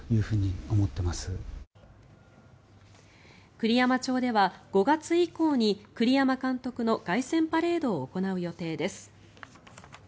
栗山町では５月以降に栗山監督の凱旋パレードを行う予定です。